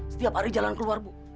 setiap hari jalan keluar bu